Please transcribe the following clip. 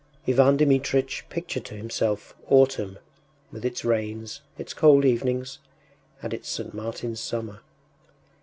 Ivan Dmitritch pictured to himself autumn with its rains, its cold evenings, and its St. Martin’s summer.